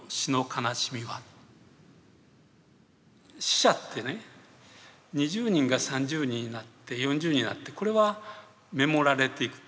死者って２０人が３０人になって４０人になってこれは目盛られていく。